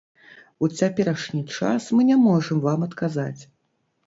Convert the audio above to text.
У цяперашні час мы не можам вам адказаць.